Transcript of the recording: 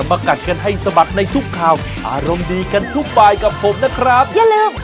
มันยังไม่ถึงสิ้นเดือนเลยแม่